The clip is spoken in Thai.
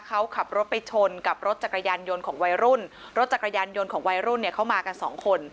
เขาขับรถไปชนกับรถจักรยานยนต์ของวัยรุ่นรถจักรยานยนต์ของวัยรุ่นเนี่ยเขามากันสองคน